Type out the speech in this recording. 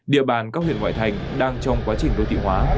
địa bàn các huyện ngoại thành đang trong quá trình đô thị hóa